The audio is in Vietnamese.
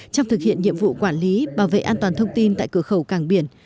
trong thực hiện nhiệm vụ quản lý bảo vệ an toàn thông tin tại cửa khẩu càng biển